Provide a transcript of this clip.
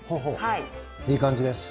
いい感じです。